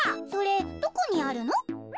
それどこにあるの？